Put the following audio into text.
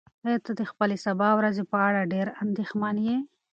ایا ته د خپلې سبا ورځې په اړه ډېر اندېښمن یې؟